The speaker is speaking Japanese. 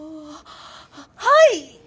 はい！